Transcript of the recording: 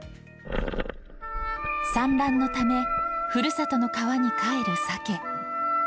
産卵のため、ふるさとの川に帰るサケ。